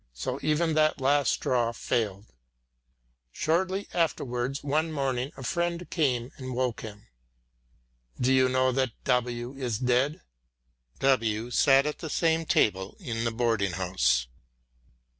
So even that last straw failed. Shortly afterwards one morning a friend came and woke him. "Do you know that W. is dead?" (W. sat at the same table in the boarding house.)